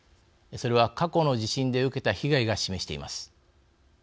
それは、過去の地震で受けた被害が示しています。